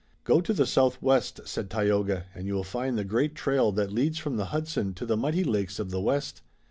"Go to the southwest," said Tayoga, "and you will find the great trail that leads from the Hudson to the mighty lakes of the west.